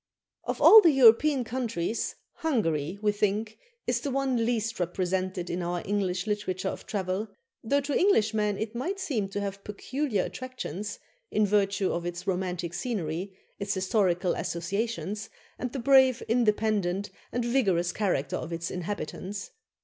" Of all the European countries, Hungary, we think, is the one least represented in our English literature of travel, though to Englishmen it might seem to have peculiar attractions, in virtue of its romantic scenery, its historical associations, and the brave, independent, and vigorous character of its inhabitants.